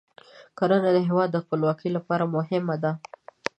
کرنه د هیواد د خپلواکۍ لپاره مهمه ده.